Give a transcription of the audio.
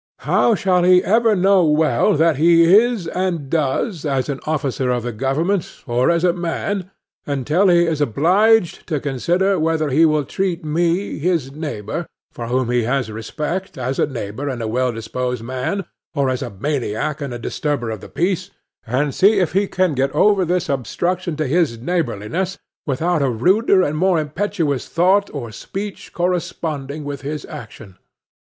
How shall he ever know well what he is and does as an officer of the government, or as a man, until he is obliged to consider whether he shall treat me, his neighbor, for whom he has respect, as a neighbor and well disposed man, or as a maniac and disturber of the peace, and see if he can get over this obstruction to his neighborliness without a ruder and more impetuous thought or speech corresponding with his action?